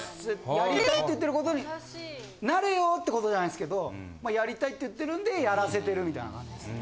やりたいって言ってる事になれよって事じゃないんですけどやりたいって言ってるんでやらせてるみたいな感じですね。